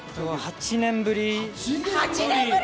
８年ぶり。